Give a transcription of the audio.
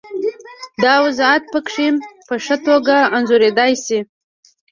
دا وضعیت پکې په ښه توګه انځورېدای شي.